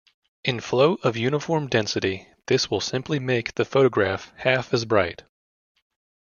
In flow of uniform density this will simply make the photograph half as bright.